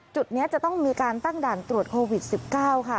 จุดนี้จะต้องมีการตั้งด่านตรวจโควิด๑๙ค่ะ